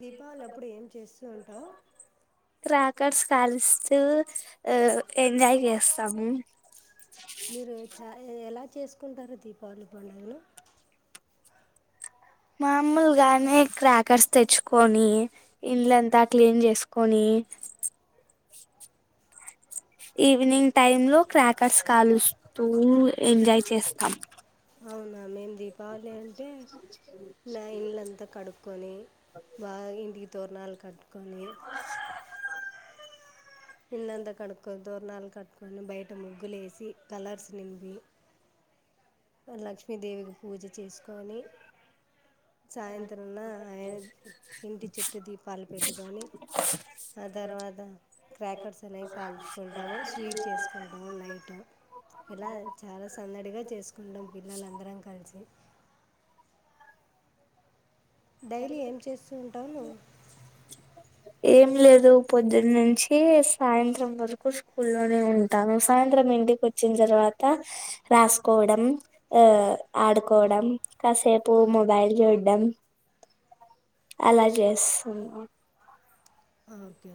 దీపావళి అప్పుడు ఏం చేస్తూ ఉంటావు రాకట్స్ కలిస్తూ ఆ ఎంజాయ్ చేస్తాము మీరు చ ఎలా చేసుకుంటారు దీపావళి పండుగను మామూలుగానే క్రాకర్స్ తెచ్చుకొని ఇండ్లంతా క్లీన్ చేసుకొని ఈవినింగ్ టైమ్ లో క్రాకర్స్ కాలుస్తూ ఎంజాయ్ చేస్తాం అవునా మేము దీపావళి అంటే నా ఇళ్ళంతా కడుక్కొని బాగా ఇంటికి తోరనాాలు కట్కని ఇళ్ళంత కడుక్కొన్ తోరణాల్ కట్టుకొని బయట ముగ్గులేసి కలర్స్ నింపి. వరలక్ష్మి మి దేవికి పూజ చేసిక్ అని సాయంత్రం న ఐ ఇంటి చుట్టూ దీపాలు పెట్టుకొని ఆ తర్వాత క్రాకర్స్ అనేవి కాల్చుకుంటాము స్వీట్ చేసుకుంటాము నైట్ ఇలా చాలా సందడిగా చేసుక్ ఉండం పిల్లలందరం కల్సి డైలీ ఏం చేస్తు ఎం లేదు పొద్దునుంచి సాయంత్రం వరకు స్కూల్లోనే ఉంటాను సాయంత్రం ఇంటికి వచ్చిన తర్వాత రాస్కోవడం ఆహ్ ఆడుకోడం కాసేపు మొబైల్ జూడ్డం అలా జెస్సున్నా ఓకే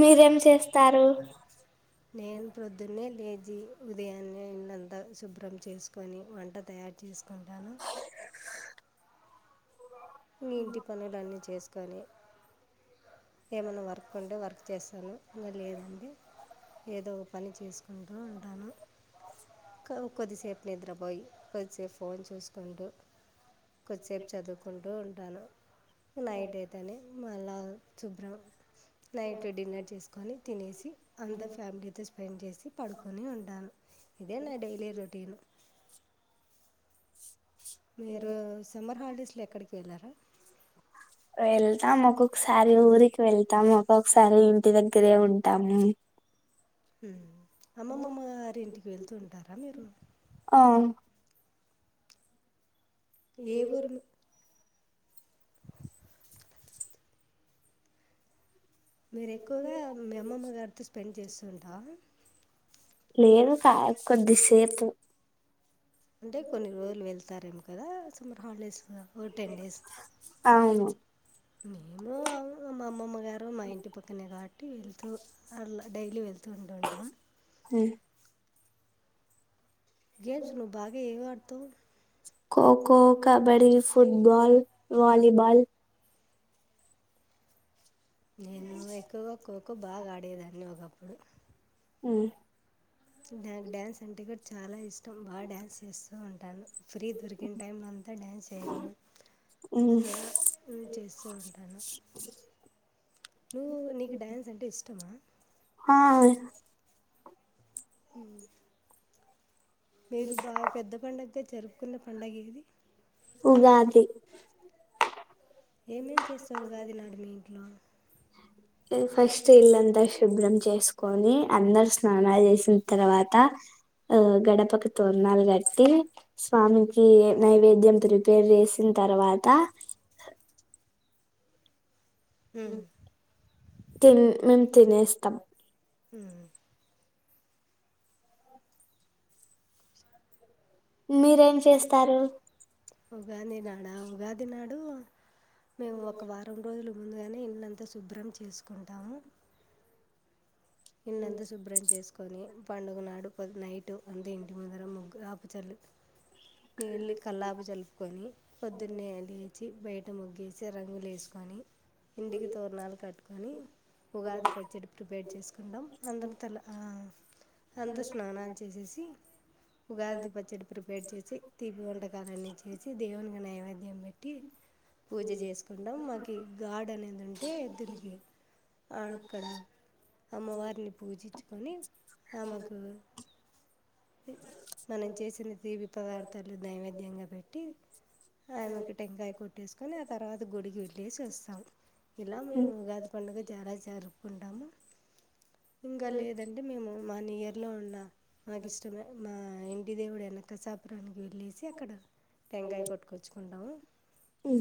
మీరేం చేస్తారు నేను ప్రొద్దున్నే లేచి ఉదయాన్నే ఇళ్ళంత శుభ్రం చేసుకొని వంట తయార్ చేస్కుంటా మీ ఇంటి పనులన్ని చేస్ కని ఏమన్నా వర్క్ ఉంటే వర్క్ చేస్తాను ఇంగ లేదండి ఏదో పని చేసుకు ఉంటు ఉంటాను కొ కొద్దిసేపు నిద్రపోయి కొద్ది సేపు ఫోన్ చూసుకుంటు కొద్దిసేపు చదువుకుంటూ ఉంటాను నైట్ అయితేనే మళ్ళ శుబ్రాం నైట్ డిన్నర్ చేస్కొని తినేసి అందర్ ఫ్యామిలీతో స్పెండ్ చేసి పడుకొని ఉంటాను ఇదే నా డైలి రొటిను. మీరు సమ్మర్ హాలిడేస్ లో ఎక్కడికి ఎళ్ళర వెళ్తాం ఒక్కొక్కసారి ఊరికి వెళ్తాము ఒక్కొక్కసారి ఇంటి దగ్గరే ఉంటాము. హ్మ్ అమ్మమ్మమ్మ గారి ఇంటికి వెళ్తు ఉంటరా మీరు ఆ ఏ ఊర్లు మీరు ఎక్కువగా మి అమ్మమ్మ గారితో స్పెండ్ చేస్ ఉంటా లేదు క కొద్దిసేపు అంటే కొన్ని రోళ్ళు వెళ్తార ఇ కదా సమ్మర్ హాలిడేస్ ల ఒ టెన్ డేస్ అవును మేము అ మా అమ్మమ్మ గారు మా ఇంటి పక్కనే కాబట్టి వెళ్తూ అలా డైలీ వెళ్తుంది మ్ గేమ్స్ నువ్వు బాగా ఏం ఆడ తవ్ ఖోఖో కబడ్డి ఫుట్బాల్ వాలిబాల్ నేను ఎక్కువగా ఖో బాగా ఆడేదాన్ని ఒకప్పుడు మ్ నాకు డ్యాన్స్ అంటే కూడా చాలా ఇష్టం టం బాగా డ్యాన్స్ చేస్తా ఉంటా టాన్ ఫ్రీ దొరికిన టైం అంతా డ్యాన్స్ చేయడమే అలా నేను చేస్తూ ఉంటాను నువ్వు నీకు డ్యాన్స్ అంటే ఇష్టమా ఆ అ మీరు బాగా పెద్ద పండుగ జరుపుకున్న పండుగ ఏది ఉగాది ఏమేం చేస్తావు ఉగాది నాడు మీ ఇంట్లో ఫస్ట్ ఇల్లంతా శుభ్రం చేసుకొని అందరు స్నానాలు చేసిన తర్వాత ఆ గడపకి తోనాలు కట్టి స్వామికి నైవేద్యం ప్రిపేర్ చేసిన తర్వాత మ్ తిన్ మేము తినేస్తాం హ్మ్ మీరేం చేస్తారు ఉగాది నాడా ఉగాది నాడు మేము ఒక వారం రోజులు ముందుగానే ఇల్లంతా శుభ్రం చేసుకుంటాము ఇల్లంతా శుభ్రం చేసుకొని పండుగ నాడు పోద్ నైటు ముందు ఇంటి ముందర ముగ్గాపూ చల్లు నీళ్ళు కల్లాపూ జలుపుకొని పొద్దున్నే లే వచ్చి బయట ముగ్గేసి రంగులు వేసుకొని ఇంటికి తోరణాలు కట్టుకొని ఉగాది పచ్చడి ప్రిపేట్ సుకుంటాం అందరం తల ఆ అంతా స్నానాలు చేసేసి ఉగాది పచ్చడి ప్రిపేర్ చేసి తీపి వంటకాలన్నీ చేసి దేవునికి నైవేద్యం పెట్టి పూజ చేసుకుంటాం మాకు గార్డ్ అనేది ఉంటే ఎద్దునికి అక్కడ అమ్మవారిని పూజించుకొని ఆమెకు మనం చేసిన తీపి పదార్థాలు నైవేద్యంగా పెట్టి ఆమెకు టెంకాయ కొట్టేసుకొని ఆ తర్వాత గుడికి వెళ్ళేసి వస్తాము ఇలా మేము ఆ ఉగాది పండుగ చాలా జరుపుకుంటాము ఇంకా లేదండి మేము వన్ ఇయర్లో ఉన్న నాకిష్టమే ఇంటి దేవున స సాపును వెళ్లేేసి అక్కడ టెంకాయ కొట్టుకొచ్చుకుంటాము. ఉ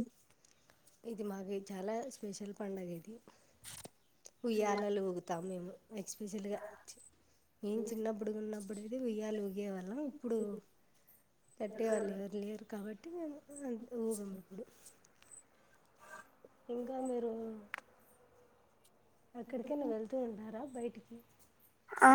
ఇది మాకు చాలా స్పెషల్ పండగ ఇది ఉయ్యాలలు సమేము ఎక్స్పెషల్గా మేము చిన్నప్పుడు ఉన్నప్పుడు ఉయ్యాలి ఉయ్యేవాళ్ళం ఇప్పుడు కట్టేవాళ్ళు ఎవరు లేరు కాబట్టి అంత హగబకుడు ఇంకా మీరు అక్కడికైనా వెళ్తూ ఉంటారా బయటికి ఆ